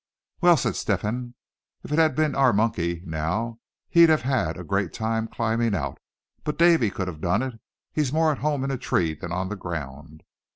"Well," said Step hen, "if it had been our monkey, now. He'd have had a great time climbing out; but Davy could have done it; he's more at home in a tree than on the ground."